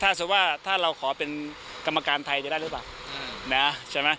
ถ้าสมมุติว่าถ้าเราขอเป็นกรรมการไทยจะได้หรือเปล่านะใช่ไหม